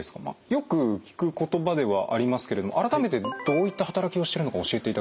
よく聞く言葉ではありますけれども改めてどういった働きをしてるのか教えていただけますか？